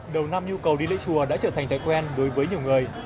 đầu năm nhu cầu đi lễ chùa đã trở thành thói quen đối với nhiều người